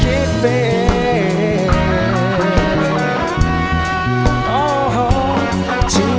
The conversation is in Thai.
ที่ดูคล้ายคล้ายว่าเธอนั้นรัก